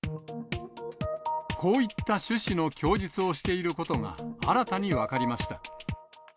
こういった趣旨の供述をしていることが新たに分かりました。